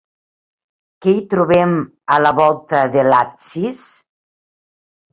Què hi trobem a la volta de l'absis?